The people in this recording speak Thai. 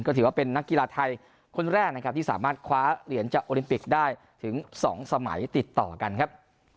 ก็ถือว่าเป็นนักกีฬาไทยคนแรกนะครับที่สามารถคว้าเหรียญจากโอลิมปิกได้ถึง๒สมัยติดต่อกันครับ